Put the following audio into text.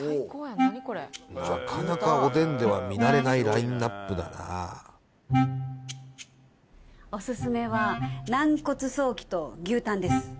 なかなかおでんでは見慣れないラインナップだなオススメは軟骨ソーキと牛タンです